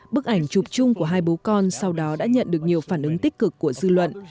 bức ảnh chụp chung của hai bố con sau đó đã nhận được nhiều phản ứng tích cực của dư luận